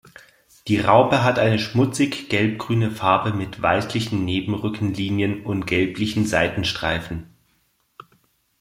Die Raupe hat eine schmutzig gelbgrüne Farbe mit weißlichen Nebenrückenlinien und gelblichen Seitenstreifen.